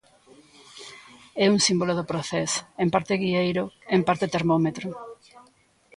É un símbolo do procés, en parte guieiro, en parte termómetro.